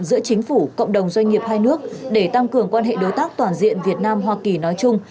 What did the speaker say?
giữa chính phủ cộng đồng doanh nghiệp hai nước để tăng cường quan hệ đối tác toàn diện việt nam hoa kỳ nói chung